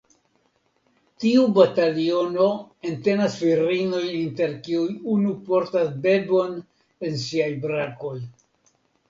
Tiu bataliono entenas virinojn inter kiuj unu portas bebon en siaj brakoj.